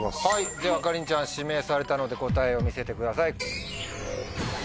ではかりんちゃん指名されたので答えを見せてください。